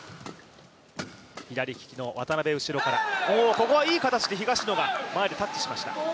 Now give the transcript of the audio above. ここはいい形で東野が前でタッチしました。